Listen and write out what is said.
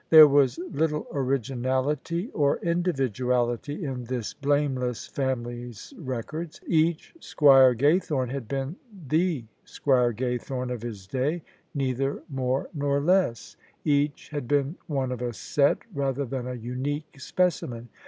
There was little originality or individuality in this blameless family's records: each Squire Gaythorne had been the Squire Gaythorne of his day — ^neither more nor less: each had been one of a set, rather than a unique specimen.